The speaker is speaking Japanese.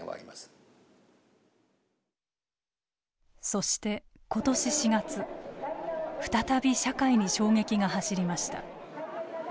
そして今年４月再び社会に衝撃が走りました。